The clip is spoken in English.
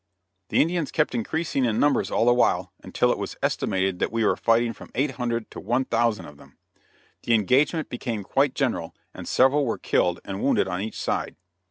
The Indians kept increasing in numbers all the while until it was estimated that we were fighting from eight hundred to one thousand of them. The engagement became quite general, and several were killed and wounded on each side.